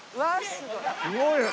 すごいね！